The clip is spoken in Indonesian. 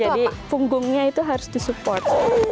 jadi punggungnya itu harus di support